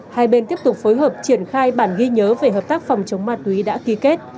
hai bên tiếp tục phối hợp triển khai bản ghi nhớ về hợp tác phòng chống ma túy đã ký kết